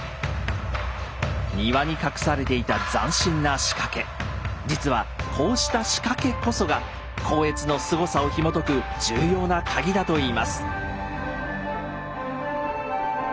庭に隠されていた実はこうした仕掛けこそが光悦のすごさをひもとく重要なカギだといいます。